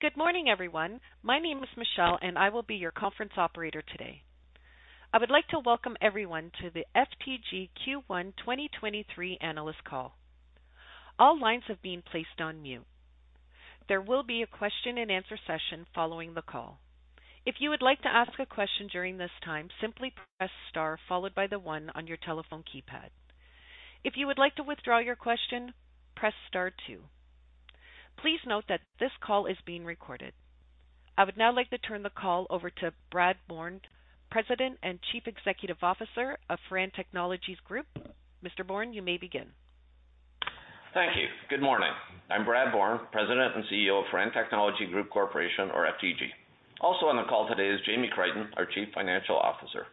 Good morning, everyone. My name is Michelle, and I will be your conference operator today. I would like to welcome everyone to the FTG Q1 2023 Analyst Call. All lines have been placed on mute. There will be a question-and-answer session following the call. If you would like to ask a question during this time, simply press star, followed by the one on your telephone keypad. If you would like to withdraw your question, press star two. Please note that this call is being recorded. I would now like to turn the call over to Brad Bourne, President and Chief Executive Officer of Firan Technology Group. Mr. Bourne, you may begin. Thank you. Good morning. I'm Brad Bourne, President and CEO of Firan Technology Group Corporation, or FTG. Also on the call today is Jamie Crichton, our Chief Financial Officer.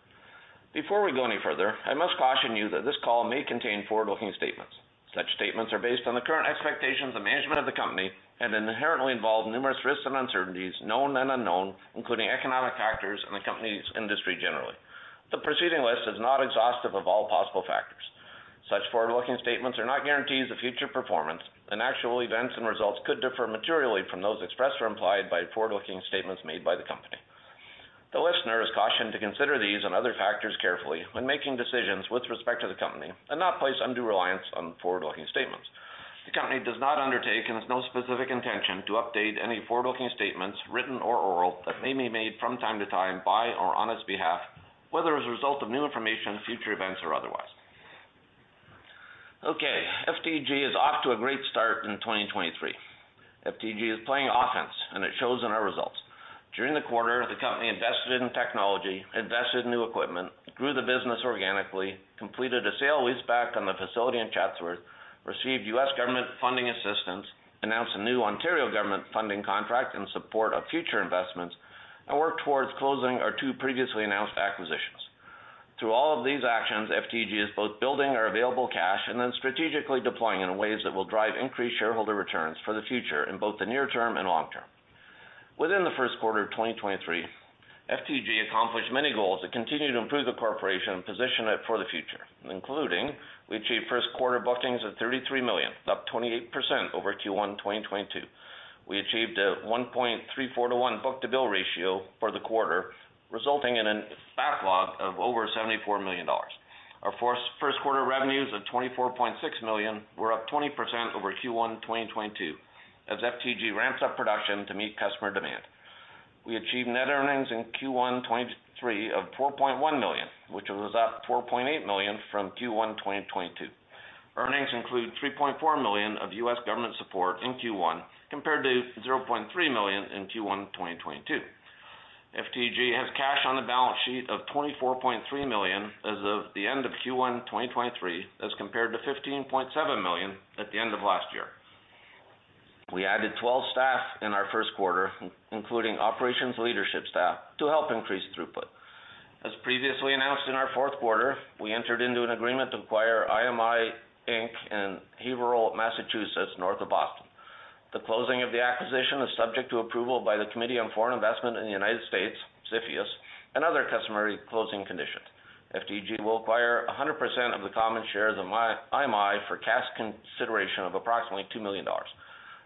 Before we go any further, I must caution you that this call may contain forward-looking statements. Such statements are based on the current expectations of management of the company and inherently involve numerous risks and uncertainties, known and unknown, including economic factors in the company's industry generally. The preceding list is not exhaustive of all possible factors. Such forward-looking statements are not guarantees of future performance, and actual events and results could differ materially from those expressed or implied by forward-looking statements made by the company. The listener is cautioned to consider these and other factors carefully when making decisions with respect to the company and not place undue reliance on forward-looking statements. The company does not undertake and has no specific intention to update any forward-looking statements, written or oral, that may be made from time to time by or on its behalf, whether as a result of new information, future events or otherwise. FTG is off to a great start in 2023. FTG is playing offense and it shows in our results. During the quarter, the company invested in technology, invested in new equipment, grew the business organically, completed a sale leaseback on the facility in Chatsworth, received U.S. government funding assistance, announced a new Ontario government funding contract in support of future investments, and worked towards closing our two previously announced acquisitions. Through all of these actions, FTG is both building our available cash and then strategically deploying in ways that will drive increased shareholder returns for the future in both the near term and long term. Within the first quarter of 2023, FTG accomplished many goals that continue to improve the corporation and position it for the future, including we achieved first quarter bookings of 33 million, up 28% over Q1 2022. We achieved a 1.34 to one book-to-bill ratio for the quarter, resulting in a backlog of over 74 million dollars. Our first quarter revenues of 24.6 million were up 20% over Q1 2022 as FTG ramps up production to meet customer demand. We achieved net earnings in Q1 2023 of 4.1 million, which was up 4.8 million from Q1 2022. Earnings include $3.4 million of U.S. government support in Q1 compared to $0.3 million in Q1 2022. FTG has cash on the balance sheet of 24.3 million as of the end of Q1 2023, as compared to 15.7 million at the end of last year. We added 12 staff in our first quarter, including operations leadership staff, to help increase throughput. As previously announced in our fourth quarter, we entered into an agreement to acquire IMI, Inc. In Haverhill, Massachusetts, north of Boston. The closing of the acquisition is subject to approval by the Committee on Foreign Investment in the United States, CFIUS, and other customary closing conditions. FTG will acquire 100% of the common shares of IMI for cash consideration of approximately $2 million.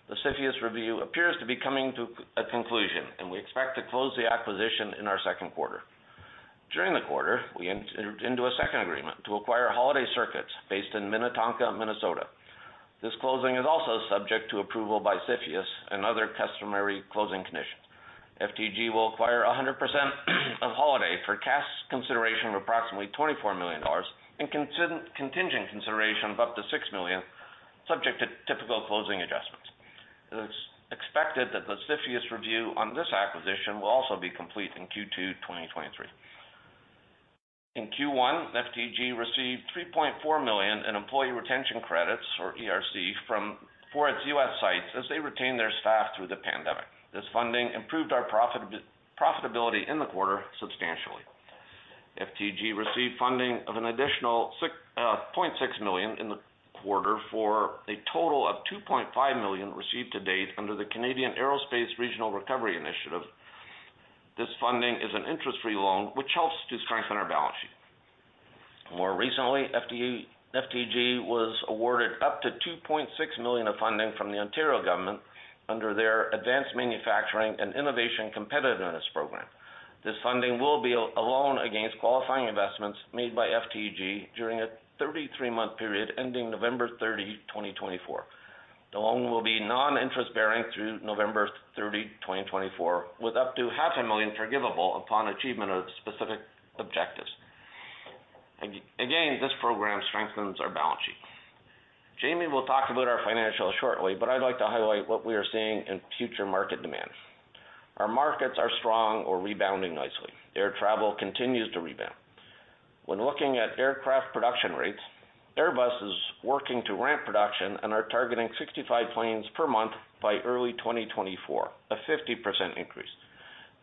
The CFIUS review appears to be coming to a conclusion, we expect to close the acquisition in our second quarter. During the quarter, we entered into a second agreement to acquire Holaday Circuits based in Minnetonka, Minnesota. This closing is also subject to approval by CFIUS and other customary closing conditions. FTG will acquire 100% of Holaday for cash consideration of approximately 24 million dollars and contingent consideration of up to 6 million, subject to typical closing adjustments. It's expected that the CFIUS review on this acquisition will also be complete in Q2 2023. In Q1, FTG received 3.4 million in Employee Retention Credits or ERC for its U.S. sites as they retain their staff through the pandemic. This funding improved our profitability in the quarter substantially. FTG received funding of an additional 0.6 million in the quarter for a total of 2.5 million received to date under the Canadian Aerospace Regional Recovery Initiative. This funding is an interest-free loan which helps to strengthen our balance sheet. More recently, FTG was awarded up to 2.6 million of funding from the Ontario government under their Advanced Manufacturing and Innovation Competitiveness program. This funding will be a loan against qualifying investments made by FTG during a 33-month period ending November 30, 2024. The loan will be non-interest bearing through November 30, 2024, with up to half a million forgivable upon achievement of specific objectives. Again, this program strengthens our balance sheet. Jamie will talk about our financials shortly. I'd like to highlight what we are seeing in future market demand. Our markets are strong or rebounding nicely. Air travel continues to rebound. When looking at aircraft production rates, Airbus is working to ramp production and are targeting 65 planes per month by early 2024, a 50% increase.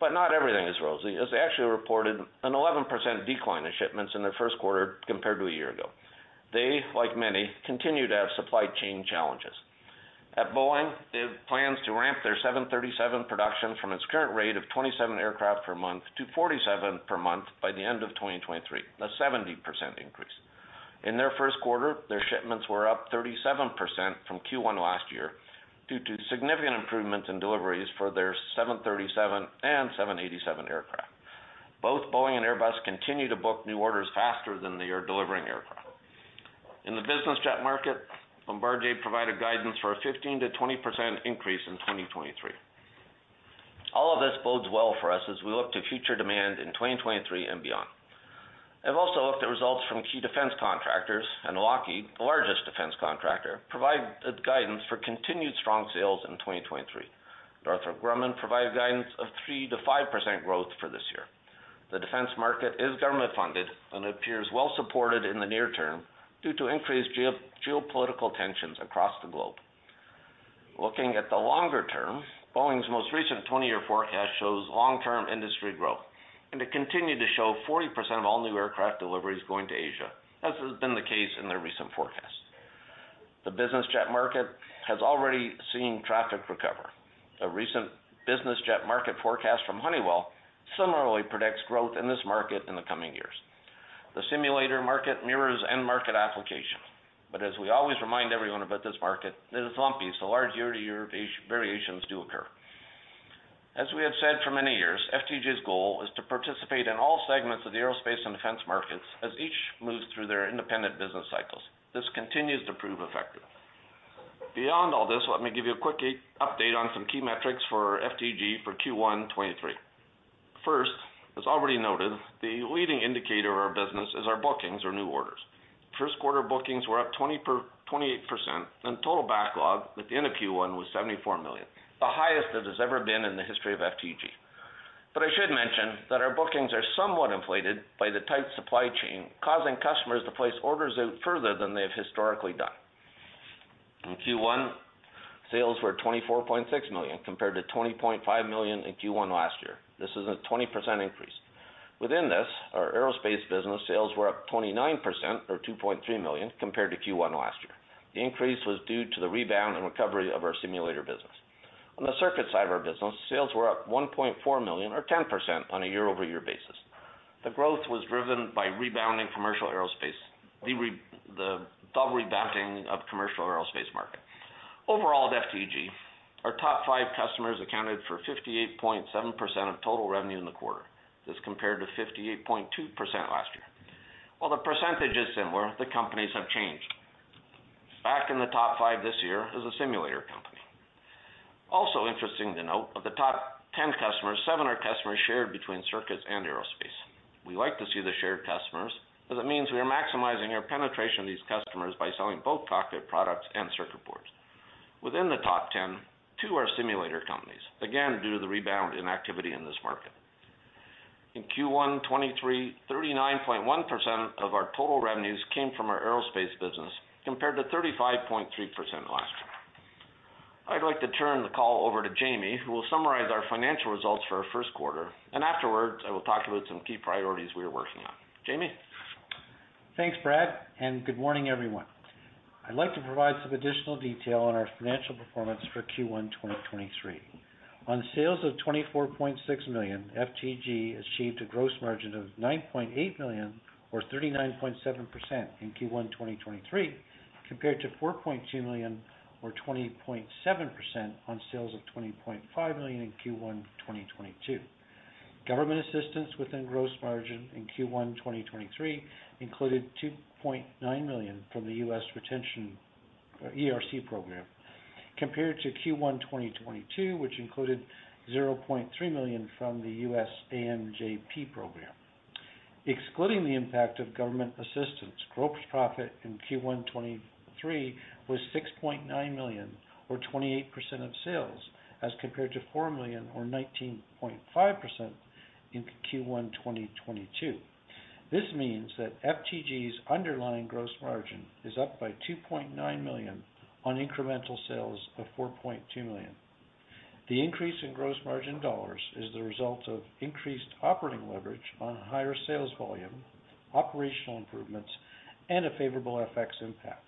Not everything is rosy as they actually reported an 11% decline in shipments in their first quarter compared to a year ago. They, like many, continue to have supply chain challenges. At Boeing, it plans to ramp their 737 production from its current rate of 27 aircraft per month to 47 per month by the end of 2023, a 70% increase. In their first quarter, their shipments were up 37% from Q1 last year due to significant improvements in deliveries for their 737 and 787 aircraft. Both Boeing and Airbus continue to book new orders faster than they are delivering aircraft. In the business jet market, Bombardier provided guidance for a 15%-20% increase in 2023. All of this bodes well for us as we look to future demand in 2023 and beyond. I've also looked at results from key defense contractors, and Lockheed, the largest defense contractor, provided guidance for continued strong sales in 2023. Northrop Grumman provided guidance of 3%-5% growth for this year. The defense market is government-funded and appears well supported in the near term due to increased geopolitical tensions across the globe. Looking at the longer term, Boeing's most recent 20-year forecast shows long-term industry growth, and it continued to show 40% of all new aircraft deliveries going to Asia, as has been the case in their recent forecast. The business jet market has already seen traffic recover. A recent business jet market forecast from Honeywell similarly predicts growth in this market in the coming years. The simulator market mirrors end market application, but as we always remind everyone about this market, it is lumpy, so large year-to-year variations do occur. As we have said for many years, FTG's goal is to participate in all segments of the aerospace and defense markets as each moves through their independent business cycles. This continues to prove effective. Beyond all this, let me give you a quick update on some key metrics for FTG for Q1 2023. First, as already noted, the leading indicator of our business is our bookings or new orders. First quarter bookings were up 28%, and total backlog at the end of Q1 was 74 million, the highest it has ever been in the history of FTG. I should mention that our bookings are somewhat inflated by the tight supply chain, causing customers to place orders out further than they have historically done. In Q1, sales were 24.6 million compared to 20.5 million in Q1 last year. This is a 20% increase. Within this, our aerospace business sales were up 29% or 2.3 million compared to Q1 last year. The increase was due to the rebound and recovery of our simulator business. On the circuit side of our business, sales were up 1.4 million or 10% on a year-over-year basis. The growth was driven by rebounding commercial aerospace, the double rebounding of commercial aerospace market. Overall at FTG, our top five customers accounted for 58.7% of total revenue in the quarter as compared to 58.2% last year. While the percentage is similar, the companies have changed. Back in the top five this year is a simulator company. Also interesting to note, of the top 10 customers, seven are customers shared between circuits and aerospace. We like to see the shared customers as it means we are maximizing our penetration of these customers by selling both cockpit products and circuit boards. Within the top 10, two are simulator companies, again, due to the rebound in activity in this market. In Q1 2023, 39.1% of our total revenues came from our aerospace business compared to 35.3% last year. I'd like to turn the call over to Jamie, who will summarize our financial results for our first quarter. Afterwards, I will talk about some key priorities we are working on. Jamie? Thanks, Brad. Good morning, everyone. I'd like to provide some additional detail on our financial performance for Q1 2023. On sales of 24.6 million, FTG achieved a gross margin of 9.8 million or 39.7% in Q1 2023, compared to 4.2 million or 20.7% on sales of 20.5 million in Q1 2022. Government assistance within gross margin in Q1 2023 included 2.9 million from the U.S. Retention, ERC program, compared to Q1 2022, which included 0.3 million from the U.S. AMJP program. Excluding the impact of government assistance, gross profit in Q1 2023 was 6.9 million or 28% of sales as compared to 4 million or 19.5% in Q1 2022. This means that FTG's underlying gross margin is up by 2.9 million on incremental sales of 4.2 million. The increase in gross margin dollars is the result of increased operating leverage on higher sales volume, operational improvements, and a favorable FX impact.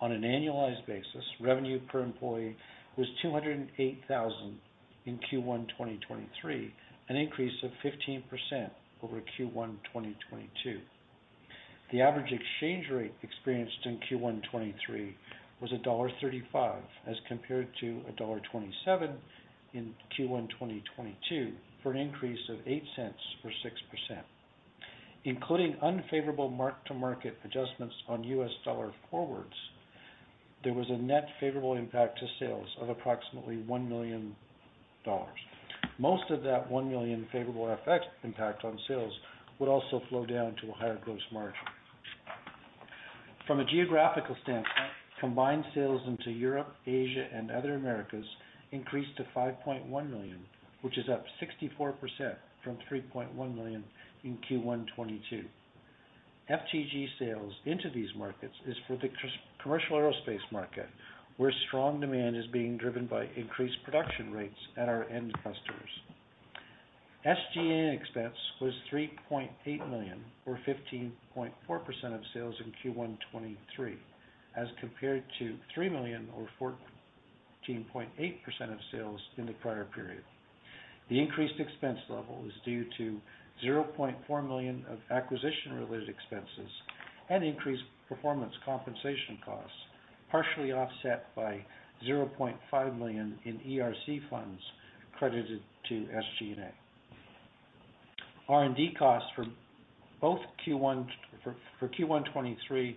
On an annualized basis, revenue per employee was 208,000 in Q1 2023, an increase of 15% over Q1 2022. The average exchange rate experienced in Q1 2023 was dollar 1.35 as compared to dollar 1.27 in Q1 2022 for an increase of 0.08 or 6%. Including unfavorable mark-to-market adjustments on U.S. dollar forwards, there was a net favorable impact to sales of approximately 1 million dollars. Most of that 1 million favorable FX impact on sales would also flow down to a higher gross margin. From a geographical standpoint, combined sales into Europe, Asia, and other Americas increased to 5.1 million, which is up 64% from 3.1 million in Q1 2022. FTG sales into these markets is for the commercial aerospace market, where strong demand is being driven by increased production rates at our end customers. SGA expense was 3.8 million or 15.4% of sales in Q1 2023, as compared to 3 million or 14.8% of sales in the prior period. The increased expense level is due to 0.4 million of acquisition-related expenses and increased performance compensation costs, partially offset by 0.5 million in ERC funds credited to SG&A. R&D costs for Q1 2023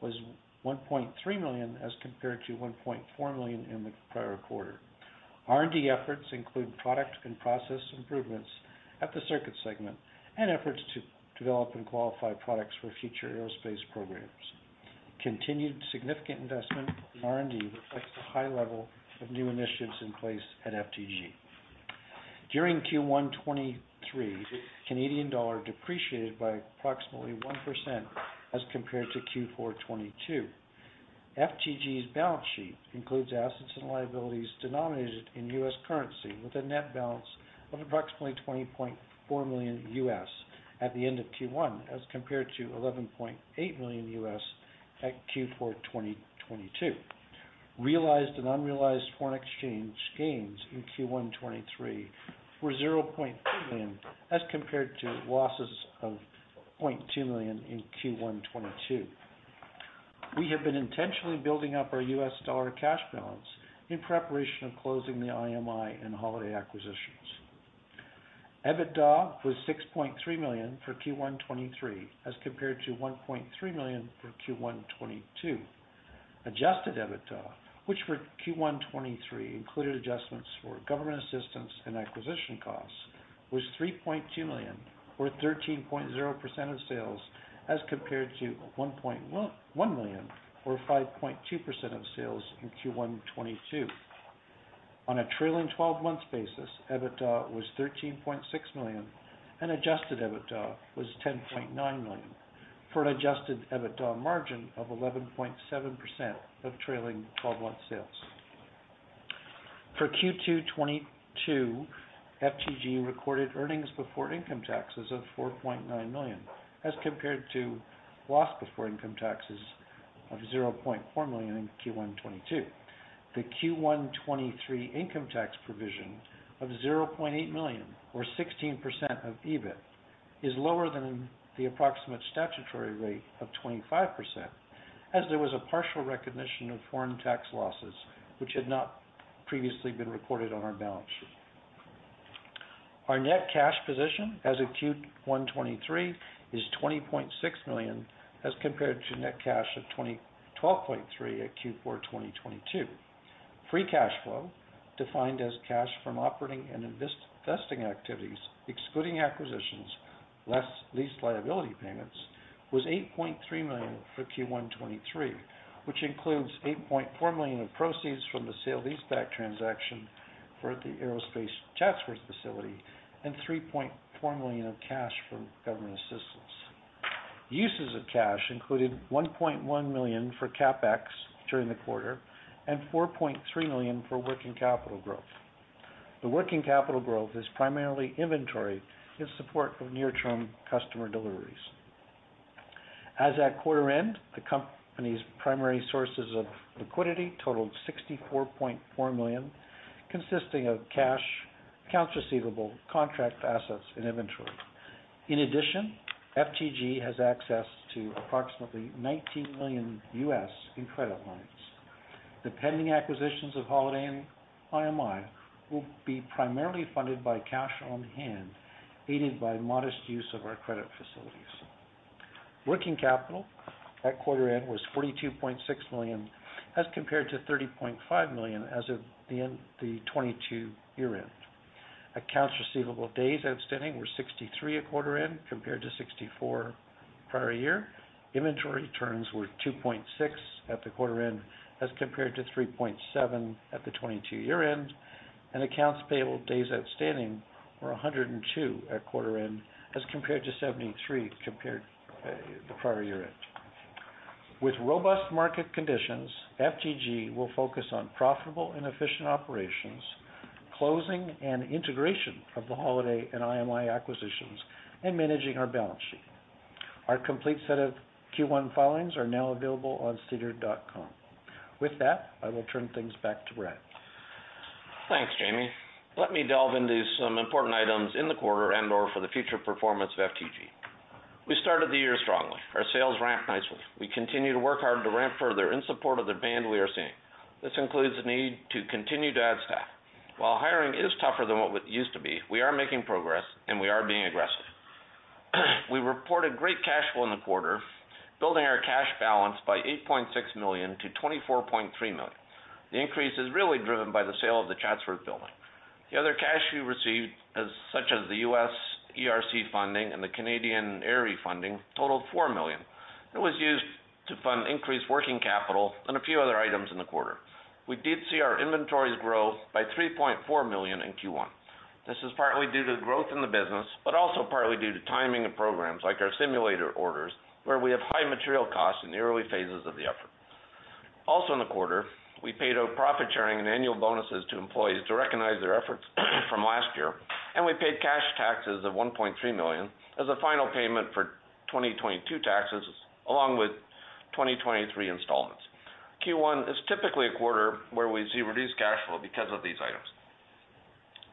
was 1.3 million as compared to 1.4 million in the prior quarter. R&D efforts include product and process improvements at the Circuit segment and efforts to develop and qualify products for future aerospace programs. Continued significant investment in R&D reflects the high level of new initiatives in place at FTG. During Q1 2023, the Canadian dollar depreciated by approximately 1% as compared to Q4 2022. FTG's balance sheet includes assets and liabilities denominated in U.S. currency, with a net balance of approximately $20.4 million at the end of Q1, as compared to $11.8 million at Q4 2022. Realized and unrealized foreign exchange gains in Q1 2023 were $0.2 million, as compared to losses of $0.2 million in Q1 2022. We have been intentionally building up our U.S. dollar cash balance in preparation of closing the IMI and Holaday acquisitions. EBITDA was 6.3 million for Q1 2023, as compared to 1.3 million for Q1 2022. Adjusted EBITDA, which for Q1 2023 included adjustments for government assistance and acquisition costs, was 3.2 million, or 13.0% of sales, as compared to 1.1 million, or 5.2% of sales in Q1 2022. On a trailing twelve months basis, EBITDA was 13.6 million, and adjusted EBITDA was 10.9 million, for an adjusted EBITDA margin of 11.7% of trailing twelve month sales. For Q2 2022, FTG recorded earnings before income taxes of 4.9 million, as compared to loss before income taxes of 0.4 million in Q1 2022. The Q1 2023 income tax provision of 0.8 million, or 16% of EBIT, is lower than the approximate statutory rate of 25%, as there was a partial recognition of foreign tax losses which had not previously been recorded on our balance sheet. Our net cash position as of Q1 2023 is 20.6 million, as compared to net cash of 12.3 million at Q4 2022. Free cash flow, defined as cash from operating and investing activities, excluding acquisitions, less lease liability payments, was 8.3 million for Q1 2023, which includes 8.4 million of proceeds from the sale of leaseback transaction for the aerospace Chatsworth facility and 3.4 million of cash from government assistance. Uses of cash included 1.1 million for CapEx during the quarter and 4.3 million for working capital growth. The working capital growth is primarily inventory in support of near-term customer deliveries. As at quarter end, the company's primary sources of liquidity totaled 64.4 million, consisting of cash, accounts receivable, contract assets, and inventory. FTG has access to approximately $19 million in credit lines. The pending acquisitions of Holaday and IMI will be primarily funded by cash on hand, aided by modest use of our credit facilities. Working capital at quarter end was 42.6 million, as compared to 30.5 million as of the 2022 year end. Accounts receivable days outstanding were 63 at quarter end, compared to 64 prior year. Inventory turns were 2.6 at the quarter end, as compared to 3.7 at the 2022 year end. Accounts payable days outstanding were 102 at quarter end, as compared to 73 the prior year end. With robust market conditions, FTG will focus on profitable and efficient operations, closing and integration of the Holaday and IMI acquisitions, and managing our balance sheet. Our complete set of Q1 filings are now available on sedar.com. With that, I will turn things back to Brad. Thanks, Jamie. Let me delve into some important items in the quarter and/or for the future performance of FTG. We started the year strongly. Our sales ramped nicely. We continue to work hard to ramp further in support of the demand we are seeing. This includes the need to continue to add staff. While hiring is tougher than what it used to be, we are making progress, and we are being aggressive. We reported great cash flow in the quarter, building our cash balance by 8.6 million to 24.3 million. The increase is really driven by the sale of the Chatsworth building. The other cash we received such as the U.S. ERC funding and the Canadian ARRI funding totaled 4 million. It was used to fund increased working capital and a few other items in the quarter. We did see our inventories grow by 3.4 million in Q1. This is partly due to growth in the business, but also partly due to timing of programs like our simulator orders, where we have high material costs in the early phases of the effort. In the quarter, we paid out profit sharing and annual bonuses to employees to recognize their efforts from last year, and we paid cash taxes of 1.3 million as a final payment for 2022 taxes, along with 2023 installments. Q1 is typically a quarter where we see reduced cash flow because of these items.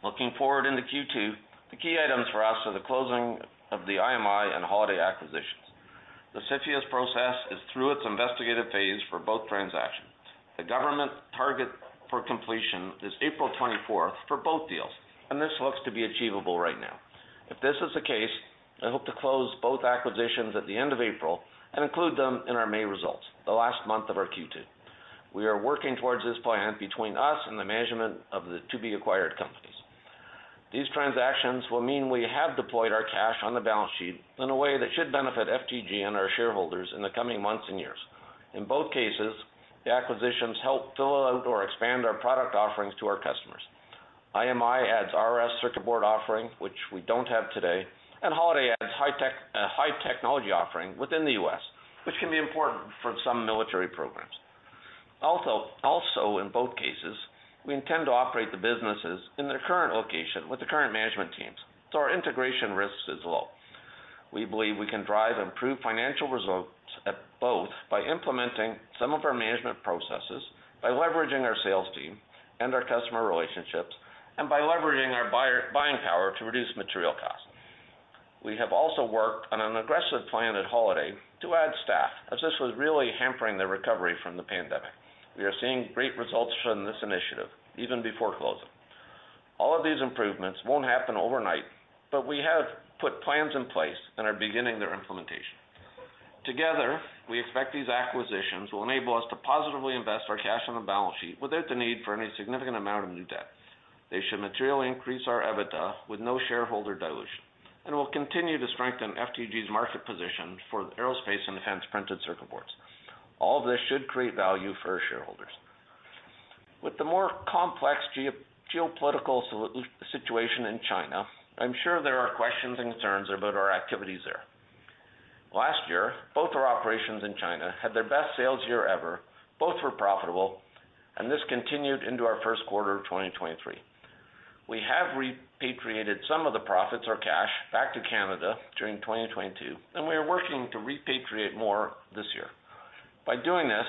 Looking forward into Q2, the key items for us are the closing of the IMI and Holaday acquisitions. The CFIUS process is through its investigative phase for both transactions. The government target for completion is April 24th for both deals. This looks to be achievable right now. If this is the case, I hope to close both acquisitions at the end of April and include them in our May results, the last month of our Q2. We are working towards this plan between us and the management of the to-be-acquired companies. These transactions will mean we have deployed our cash on the balance sheet in a way that should benefit FTG and our shareholders in the coming months and years. In both cases, the acquisitions help fill out or expand our product offerings to our customers. IMI adds RF circuit board offering, which we don't have today. Holaday adds high technology offering within the U.S., which can be important for some military programs. Also, in both cases, we intend to operate the businesses in their current location with the current management teams. Our integration risk is low. We believe we can drive improved financial results at both by implementing some of our management processes, by leveraging our sales team and our customer relationships, and by leveraging our buying power to reduce material costs. We have also worked on an aggressive plan at Holaday to add staff, as this was really hampering their recovery from the pandemic. We are seeing great results from this initiative even before closing. All of these improvements won't happen overnight. We have put plans in place and are beginning their implementation. Together, we expect these acquisitions will enable us to positively invest our cash on the balance sheet without the need for any significant amount of new debt. They should materially increase our EBITDA with no shareholder dilution and will continue to strengthen FTG's market position for aerospace and defense printed circuit boards. All this should create value for our shareholders. With the more complex geopolitical situation in China, I'm sure there are questions and concerns about our activities there. Last year, both our operations in China had their best sales year ever. Both were profitable, and this continued into our first quarter of 2023. We have repatriated some of the profits or cash back to Canada during 2022, and we are working to repatriate more this year. By doing this,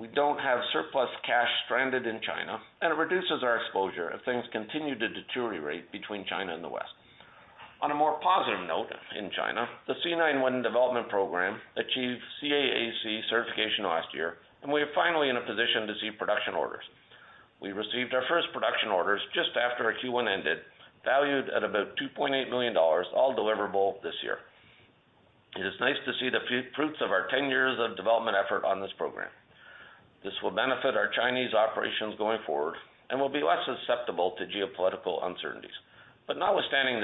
we don't have surplus cash stranded in China, and it reduces our exposure if things continue to deteriorate between China and the West. On a more positive note, in China, the C919 development program achieved CAAC certification last year, we are finally in a position to see production orders. We received our first production orders just after our Q1 ended, valued at about $2.8 million, all deliverable this year. It is nice to see the fruits of our 10 years of development effort on this program. This will benefit our Chinese operations going forward and will be less susceptible to geopolitical uncertainties. Notwithstanding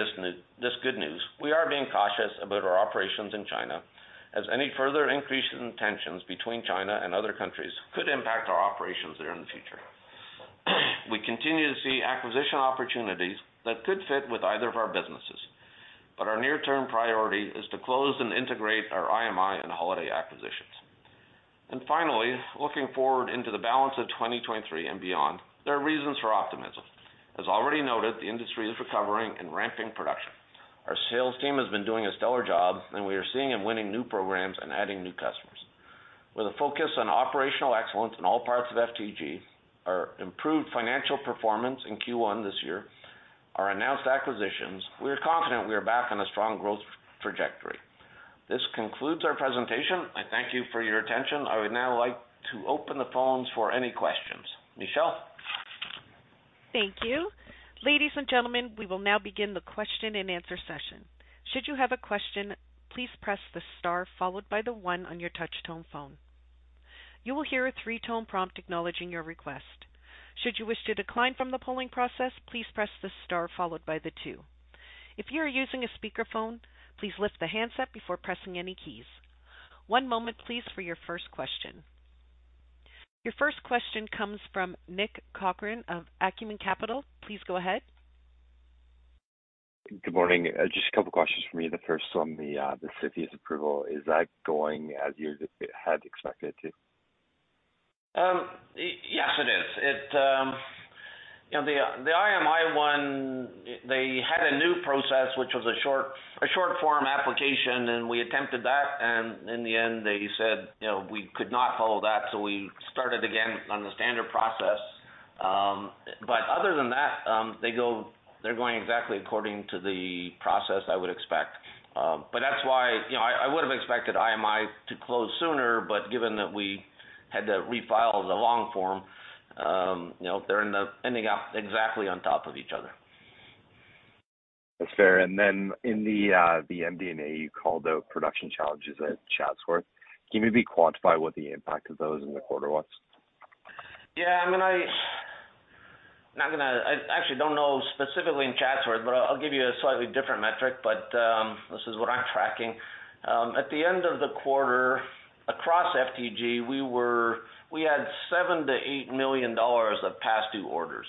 this good news, we are being cautious about our operations in China, as any further increase in tensions between China and other countries could impact our operations there in the future. We continue to see acquisition opportunities that could fit with either of our businesses, our near-term priority is to close and integrate our IMI and Holaday acquisitions. Finally, looking forward into the balance of 2023 and beyond, there are reasons for optimism. As already noted, the industry is recovering and ramping production. Our sales team has been doing a stellar job, and we are seeing and winning new programs and adding new customers. With a focus on operational excellence in all parts of FTG, our improved financial performance in Q1 this year, our announced acquisitions, we are confident we are back on a strong growth trajectory. This concludes our presentation. I thank you for your attention. I would now like to open the phones for any questions. Michelle? Thank you. Ladies and gentlemen, we will now begin the question-and-answer session. Should you have a question, please press the star followed by the one on your touch-tone phone. You will hear a three-tone prompt acknowledging your request. Should you wish to decline from the polling process, please press the star followed by the two. If you are using a speakerphone, please lift the handset before pressing any keys. One moment please for your first question. Your first question comes from Nick Corcoran of Acumen Capital. Please go ahead. Good morning. Just a couple questions from me. The first one, the CFIUS approval, is that going as you had expected it to? Yes, it is. It, you know, the IMI one, they had a new process, which was a short form application and we attempted that, and in the end they said, you know, we could not follow that, so we started again on the standard process. Other than that, they're going exactly according to the process I would expect. That's why, you know, I would have expected IMI to close sooner, but given that we had to refile the long form, you know, they're ending up exactly on top of each other. That's fair. In the MD&A, you called out production challenges at Chatsworth. Can you maybe quantify what the impact of those in the quarter was? Yeah, I mean, I actually don't know specifically in Chatsworth, but I'll give you a slightly different metric, but this is what I'm tracking. At the end of the quarter, across FTG, we had 7 million-8 million dollars of past due orders.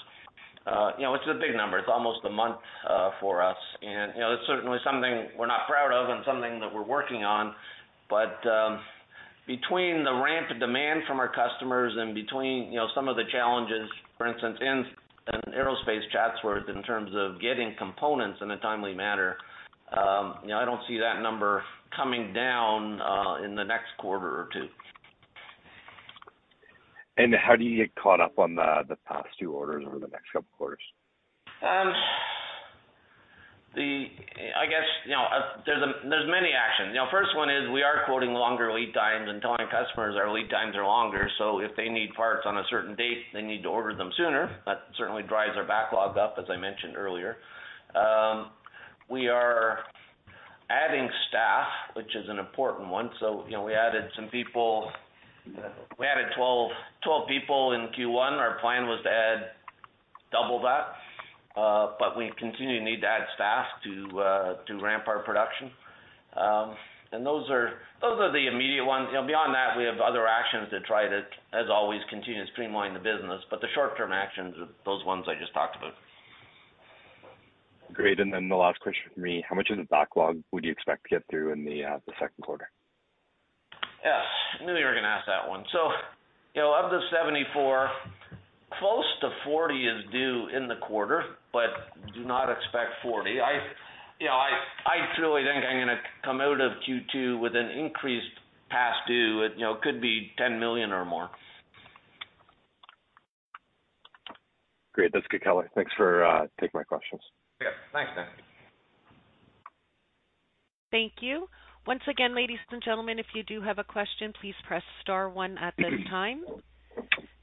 You know, it's a big number. It's almost a month for us. You know, it's certainly something we're not proud of and something that we're working on. Between the ramp of demand from our customers and between, you know, some of the challenges, for instance, in an aerospace Chatsworth in terms of getting components in a timely manner, you know, I don't see that number coming down in the next quarter or two. How do you get caught up on the past two orders over the next couple of quarters? I guess, you know, there's many actions. You know, first one is we are quoting longer lead times and telling customers our lead times are longer. If they need parts on a certain date, they need to order them sooner. That certainly drives our backlog up, as I mentioned earlier. We are adding staff, which is an important one. You know, we added some people. We added 12 people in Q1. Our plan was to add double that, but we continue to need to add staff to ramp our production. Those are the immediate ones. You know, beyond that, we have other actions to try to, as always, continue to streamline the business, but the short term actions are those ones I just talked about. Great. Then the last question from me, how much of the backlog would you expect to get through in the second quarter? Yes. I knew you were gonna ask that one. You know, of the 74, close to 40 is due in the quarter. Do not expect 40. I, you know, I truly think I'm gonna come out of Q2 with an increased past due. It, you know, could be 10 million or more. Great. That's good, color. Thanks for taking my questions. Yeah. Thanks, man. Thank you. Once again, ladies and gentlemen, if you do have a question, please press star one at any time.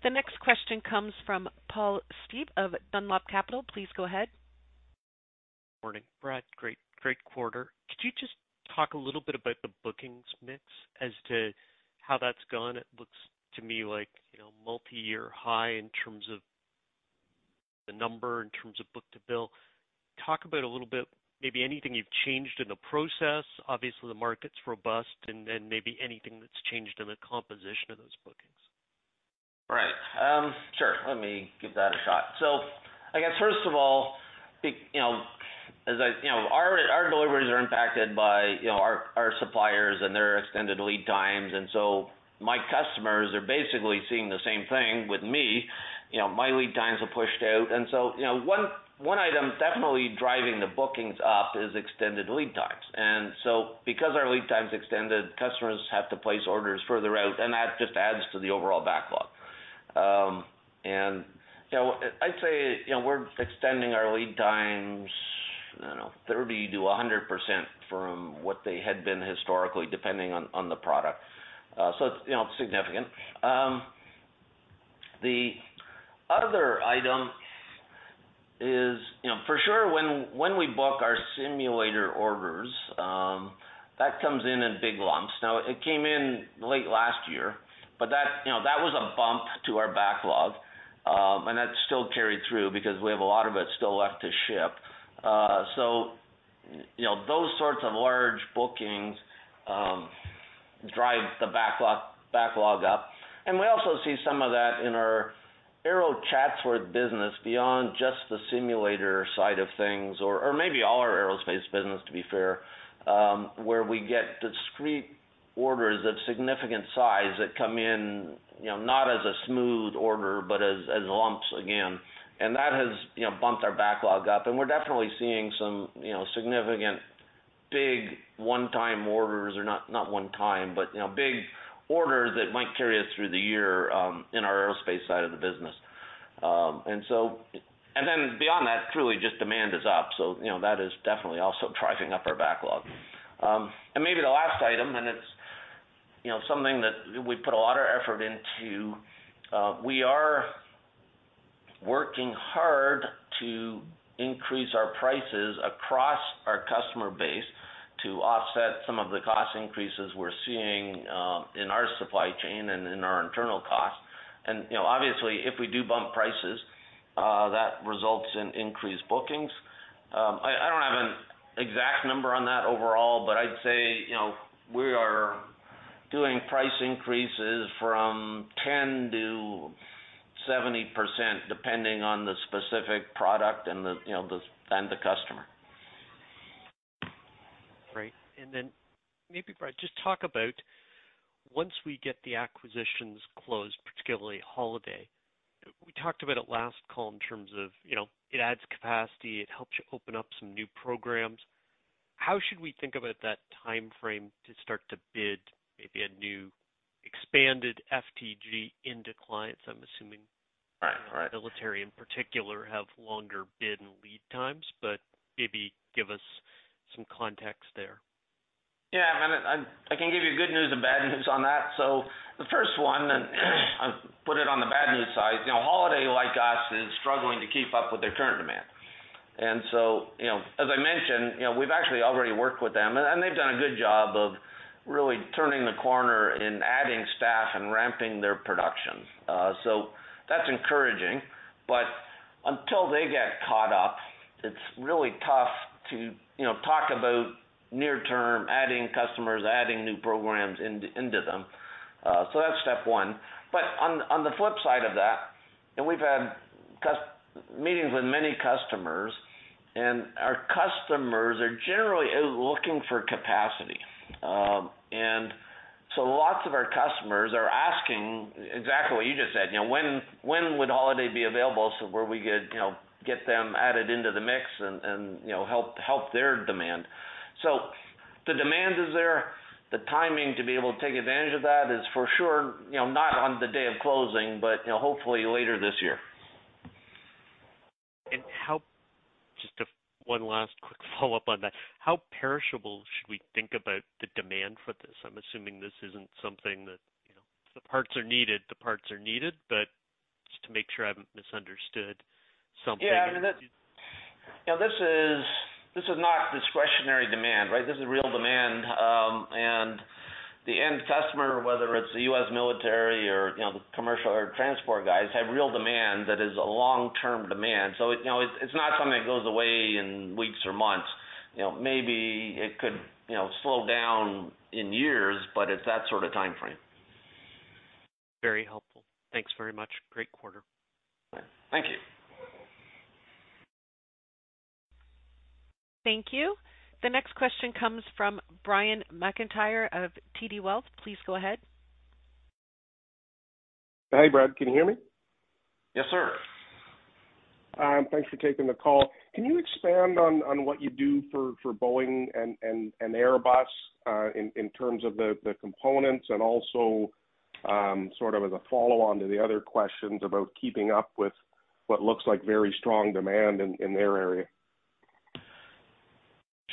The next question comes from Paul [Stieb] of Dunlop Capital. Please go ahead. Morning. Brad, great quarter. Could you just talk a little bit about the bookings mix as to how that's gone? It looks to me like, you know, multiyear high in terms of the number, in terms of book-to-bill. Talk about a little bit, maybe anything you've changed in the process. Obviously, the market's robust, maybe anything that's changed in the composition of those bookings. Right. Sure. I guess first of all, you know, our deliveries are impacted by, you know, our suppliers and their extended lead times. My customers are basically seeing the same thing with me. You know, my lead times are pushed out. You know, one item definitely driving the bookings up is extended lead times. Because our lead time's extended, customers have to place orders further out, and that just adds to the overall backlog. You know, I'd say, you know, we're extending our lead times, I don't know, 30%-100% from what they had been historically, depending on the product. So it's, you know, significant. The other item is, you know, for sure when we book our simulator orders, that comes in in big lumps. It came in late last year, but that, you know, that was a bump to our backlog, and that's still carried through because we have a lot of it still left to ship. You know, those sorts of large bookings drive the backlog up. We also see some of that in our Aero Chatsworth business beyond just the simulator side of things, or maybe all our aerospace business, to be fair, where we get discrete orders of significant size that come in, you know, not as a smooth order, but as lumps again. That has, you know, bumped our backlog up, and we're definitely seeing some, you know, significant big one-time orders or not one time, but, you know, big orders that might carry us through the year in our aerospace side of the business. Beyond that, truly just demand is up. You know, that is definitely also driving up our backlog. Maybe the last item, and it's, you know, something that we put a lot of effort into, we are working hard to increase our prices across our customer base to offset some of the cost increases we're seeing in our supply chain and in our internal costs. You know, obviously, if we do bump prices, that results in increased bookings. I don't have an exact number on that overall, but I'd say, you know, we are doing price increases from 10%-70%, depending on the specific product and the, you know, the, and the customer. Great. Maybe, Brad, just talk about once we get the acquisitions closed, particularly Holaday. We talked about it last call in terms of, you know, it adds capacity, it helps you open up some new programs. How should we think about that timeframe to start to bid maybe a new expanded FTG into clients? Right. Right. military in particular have longer bid and lead times, but maybe give us some context there. I mean, I can give you good news and bad news on that. The first one, and I'll put it on the bad news side, you know, Holaday, like us, is struggling to keep up with their current demand. As I mentioned, you know, we've actually already worked with them, and they've done a good job of really turning the corner and adding staff and ramping their production. That's encouraging. Until they get caught up, it's really tough to, you know, talk about near term, adding customers, adding new programs into them. That's step one. On the flip side of that, we've had meetings with many customers, and our customers are generally looking for capacity. Lots of our customers are asking exactly what you just said, you know, when would Holaday be available, so where we could, you know, get them added into the mix and, you know, help their demand. The demand is there. The timing to be able to take advantage of that is for sure, you know, not on the day of closing, but, you know, hopefully later this year. Just one last quick follow-up on that. How perishable should we think about the demand for this? I'm assuming this isn't something that, you know, if the parts are needed, the parts are needed. Just to make sure I haven't misunderstood something. Yeah. I mean, you know, this is not discretionary demand, right? This is real demand. The end customer, whether it's the U.S. military or, you know, the commercial air transport guys, have real demand that is a long-term demand. You know, it's not something that goes away in weeks or months. You know, maybe it could, you know, slow down in years, but it's that sort of timeframe. Very helpful. Thanks very much. Great quarter. Thank you. Thank you. The next question comes from Brian Mcintyre of TD Wealth. Please go ahead. Hi, Brad. Can you hear me? Yes, sir. Thanks for taking the call. Can you expand on what you do for Boeing and Airbus, in terms of the components and also, sort of as a follow-on to the other questions about keeping up with what looks like very strong demand in their area?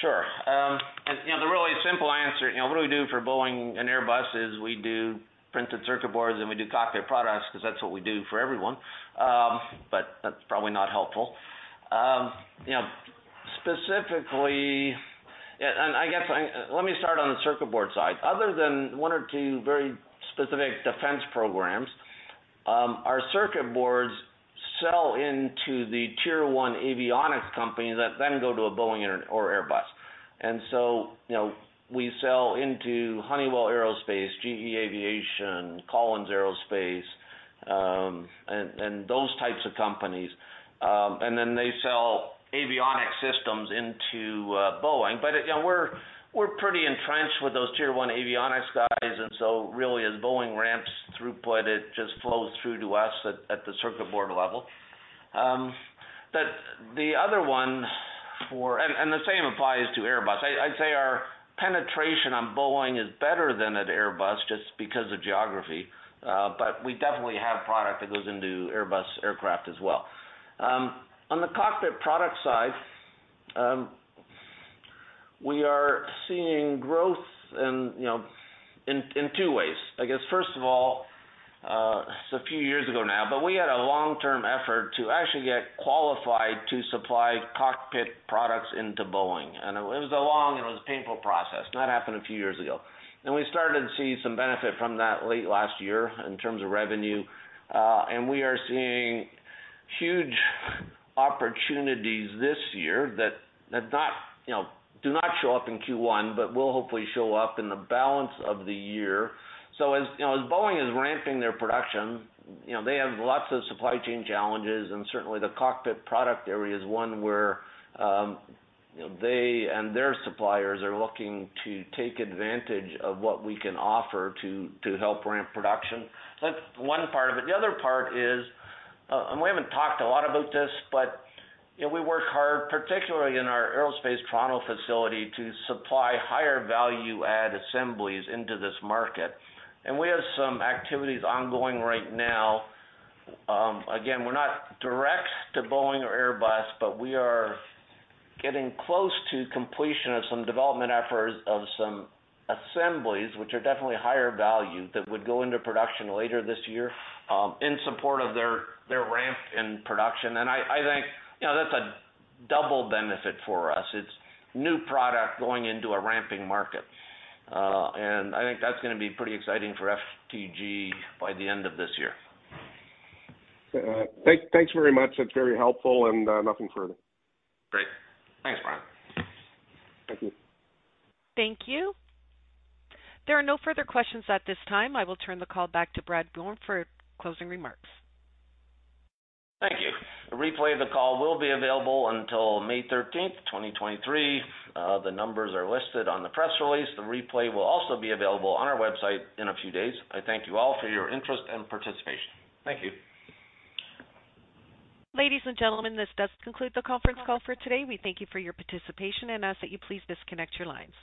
Sure. you know, the really simple answer, you know, what do we do for Boeing and Airbus is we do printed circuit boards, and we do cockpit products 'cause that's what we do for everyone. That's probably not helpful. you know, Let me start on the circuit board side. Other than one or two very specific defense programs, our circuit boards sell into the tier one avionics companies that then go to a Boeing or Airbus. you know, we sell into Honeywell Aerospace, GE Aviation, Collins Aerospace, and those types of companies. They sell avionics systems into Boeing. you know, we're pretty entrenched with those tier one avionics guys. Really as Boeing ramps throughput, it just flows through to us at the circuit board level. The other one for... The same applies to Airbus. I'd say our penetration on Boeing is better than at Airbus just because of geography. We definitely have product that goes into Airbus aircraft as well. On the cockpit product side, we are seeing growth and, you know, in two ways. I guess, first of all, it's a few years ago now, but we had a long-term effort to actually get qualified to supply cockpit products into Boeing. It was a long and it was a painful process. That happened a few years ago. We started to see some benefit from that late last year in terms of revenue. We are seeing huge opportunities this year that not, you know, do not show up in Q1, but will hopefully show up in the balance of the year. As, you know, as Boeing is ramping their production, you know, they have lots of supply chain challenges, and certainly the cockpit product area is one where, you know, they and their suppliers are looking to take advantage of what we can offer to help ramp production. That's one part of it. The other part is, we haven't talked a lot about this, but, you know, we work hard, particularly in our Aerospace Toronto facility, to supply higher value add assemblies into this market. We have some activities ongoing right now. Again, we're not direct to Boeing or Airbus, but we are getting close to completion of some development efforts of some assemblies, which are definitely higher value, that would go into production later this year, in support of their ramp in production. I think, you know, that's a double benefit for us. It's new product going into a ramping market. I think that's gonna be pretty exciting for FTG by the end of this year. Thanks very much. That's very helpful, and nothing further. Great. Thanks, Brian. Thank you. Thank you. There are no further questions at this time. I will turn the call back to Brad Bourne for closing remarks. Thank you. A replay of the call will be available until May 13, 2023. The numbers are listed on the press release. The replay will also be available on our website in a few days. I thank you all for your interest and participation. Thank you. Ladies and gentlemen, this does conclude the conference call for today. We thank you for your participation and ask that you please disconnect your lines.